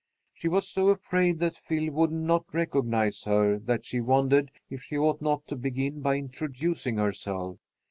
She was so afraid that Phil would not recognize her that she wondered if she ought not to begin by introducing herself.